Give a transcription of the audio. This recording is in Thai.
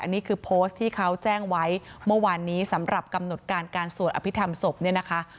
อันนี้คือโพสต์ที่เขาแจ้งไว้เมื่อวานนี้สำหรับกำหนดการการสวดอภิษฐรรมศพเนี่ยนะคะ